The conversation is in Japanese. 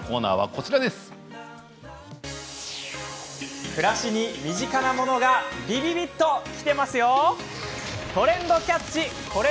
あの暮らしに身近なものがビビビっときてますよ！